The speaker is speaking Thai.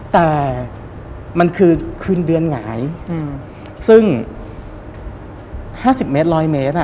แต่มันคือคืนเดือนหงายซึ่ง๕๐เมตร๑๐๐เมตร